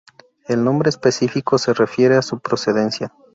El nombre específico se refiere a su procedencia.